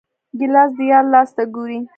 ګیلاس د یار لاس ته ګوري.